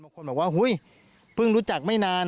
บางคนบอกว่าเฮ้ยเพิ่งรู้จักไม่นาน